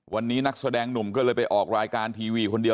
วันนี้นักแสดงหนุ่มก็เลยไปออกรายการทีวีคนเดียว